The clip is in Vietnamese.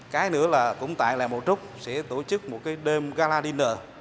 cái nữa là cũng tại làng bảo trúc sẽ tổ chức một cái đêm gala dinner